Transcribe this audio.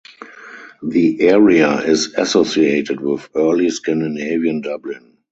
The area is associated with Early Scandinavian Dublin.